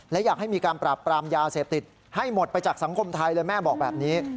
และอยากให้มีการปราบปรามยาเสพติดให้หมดไปจากสังคมไทยเลยแม่บอกแบบนี้